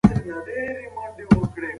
د سپي زګیروی د لیرې پرتو پېښو یو پیلامه ده.